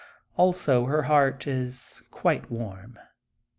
Also her heart is quite warm.